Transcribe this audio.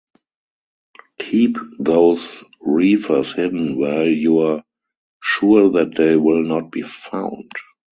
Keep those reefers hidden where you're sure that they will not be found.